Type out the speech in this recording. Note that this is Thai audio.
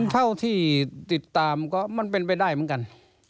เท่าที่ติดตามก็มันเป็นไปได้เหมือนกัน